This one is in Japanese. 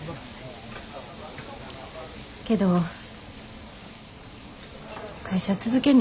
けど会社続けんね